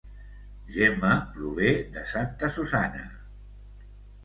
Gemma prové de Santa Susanna